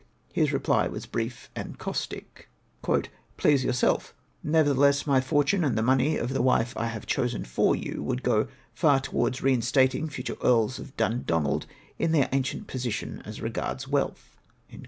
His reply was brief and caustic. " Please yom^self : nevertheless, my fortune and the money of the wife I have chosen for you, would go far towards reinstating future Earls of Dundonald in their ancient position as regards wealth."